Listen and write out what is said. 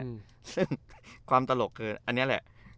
อืมซึ่งความตลกคืออันนี้แหละ